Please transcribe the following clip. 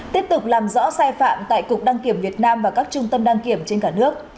tiếp tục làm rõ sai phạm tại cục đăng kiểm việt nam và các trung tâm đăng kiểm trên cả nước